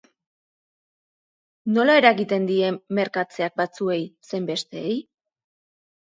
Nola eragiten die merkatzeak batzuei zein besteei?